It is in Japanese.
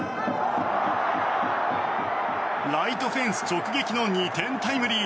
ライトフェンス直撃の２点タイムリー。